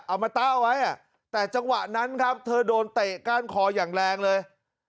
มาต้าเอาไว้แต่จังหวะนั้นครับเธอโดนเตะก้านคออย่างแรงเลย